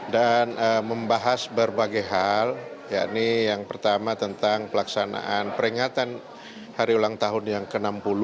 dan membahas berbagai hal yakni yang pertama tentang pelaksanaan peringatan hari ulang tahun yang ke enam puluh